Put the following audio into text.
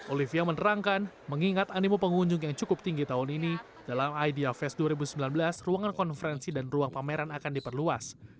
olivia menerangkan mengingat animo pengunjung yang cukup tinggi tahun ini dalam idea fest dua ribu sembilan belas ruangan konferensi dan ruang pameran akan diperluas